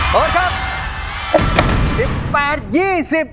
เปิดครับ